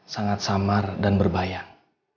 sangat samar dan berbayang